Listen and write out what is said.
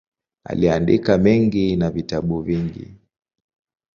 Aliandika mengi na vitabu vingi.